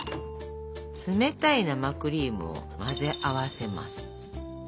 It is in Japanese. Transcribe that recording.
冷たい生クリームを混ぜ合わせます。